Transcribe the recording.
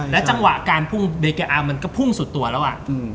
และจังหวะการเพิ่งเบเกอร์อัมมันก็เพิ่งสุดตัวล่ะอ่ะ